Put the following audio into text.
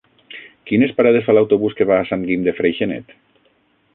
Quines parades fa l'autobús que va a Sant Guim de Freixenet?